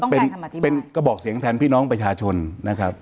เป็นกระบอกเสียงแทนพี่น้องประชาชนนะครับ